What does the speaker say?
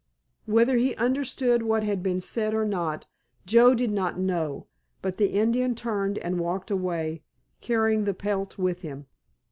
Whether he understood what had been said or not, Joe did not know, but the Indian turned and walked away, carrying the pelt with him.